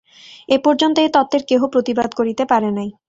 এ পর্যন্ত এ তত্ত্বের কেহ প্রতিবাদ করিতে পারে নাই।